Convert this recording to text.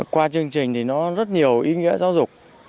qua chương trình thì nó rất nhiều ý nghĩa giáo dục